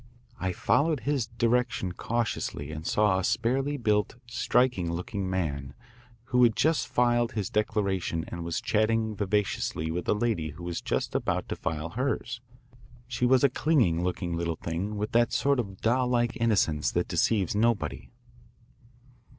I followed his direction cautiously and saw a sparely built, striking looking man who had just filed his declaration and was chatting vivaciously with a lady who was just about to file hers. She was a clinging looking little thing with that sort of doll like innocence that deceives nobody.